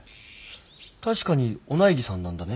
確かにお内儀さんなんだね？